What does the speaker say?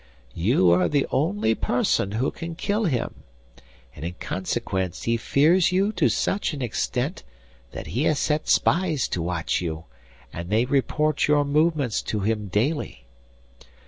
'You are the only person who can kill him; and in consequence he fears you to such an extent that he has set spies to watch you, and they report your movements to him daily.